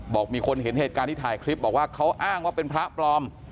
บอกมีคนเห็นเหตุการณ์ที่ถ่ายคลิปบอกว่าเขาอ้างว่าเป็นพระปลอม